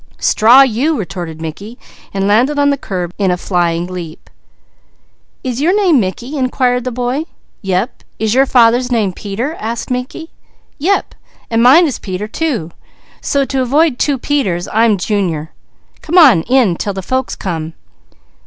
"Straw you!" retorted Mickey, landing on the curb in a flying leap. "Is your name Mickey?" inquired the boy. "Yep. Is your father's name Peter?" asked Mickey. "Yep. And mine is Peter too. So to avoid two Peters I am Junior. Come on in 'til the folks come."